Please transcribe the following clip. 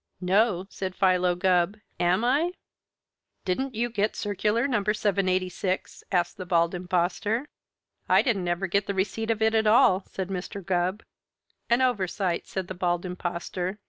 "No!" said Philo Gubb. "Am I?" "Didn't you get circular No. 786?" asked the Bald Impostor. "I didn't ever get the receipt of it at all," said Mr. Gubb. "An oversight," said the Bald Impostor.